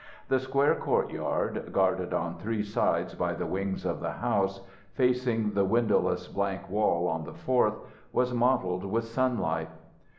The square courtyard, guarded on three sides by the wings of the house, facing the windowless blank wall on the fourth, was mottled with sunlight.